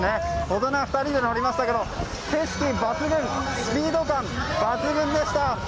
大人２人で乗りましたが景色抜群スピード感抜群でした。